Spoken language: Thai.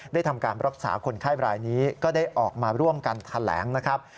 ทำการรักษาคนไข้รายนี้ก็ได้ออกมาร่วมกันแถลงนะครับ